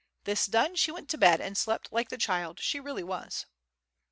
This done, she went to bed and slept like the child she really was.